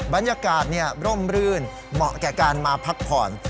บรรยากาศร่มรื่นเหมาะแก่การมาพักผ่อน